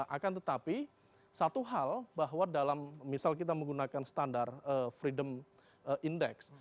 akan tetapi satu hal bahwa dalam misal kita menggunakan standar freedom index